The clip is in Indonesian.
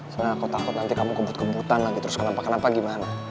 sebenarnya aku takut nanti kamu kebut kebutan lagi terus kenapa gimana